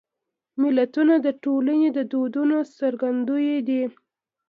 متلونه د ټولنې د دودونو څرګندوی دي